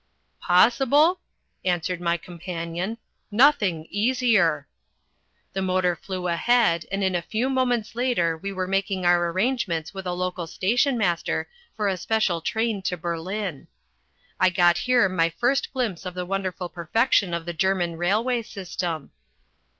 "Possible?" answered my companion. "Nothing easier." The motor flew ahead and in a few moments later we were making our arrangements with a local station master for a special train to Berlin. I got here my first glimpse of the wonderful perfection of the German railway system.